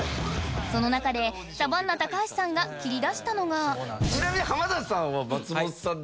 その中でサバンナ高橋さんが切り出したのがちなみに。